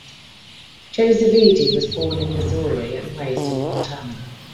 Joseph Edy was born in Missouri and raised in Montana.